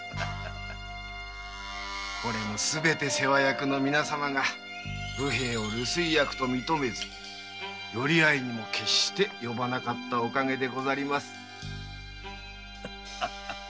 これもすべて世話役の皆様が武兵衛を留守居役と認めず寄合にも決して呼ばなかったおかげでござります。